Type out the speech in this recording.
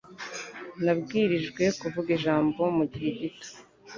Nabwirijwe kuvuga ijambo mugihe gito.